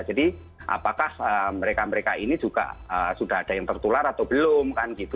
jadi apakah mereka mereka ini juga sudah ada yang tertular atau belum kan gitu